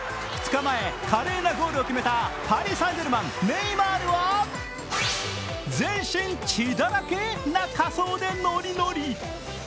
２日前、華麗なゴールを決めたパリ・サン＝ジェルマンネイマールは、全身血だらけな仮装でノリノリ。